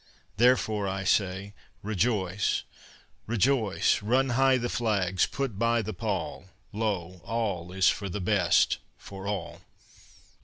Therefore, I say, Rejoice! Rejoice! Run high the flags! Put by the pall! Lo! all is for the best for all!